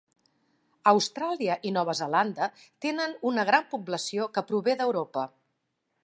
Austràlia i Nova Zelanda tenen una gran població que prové d'Europa.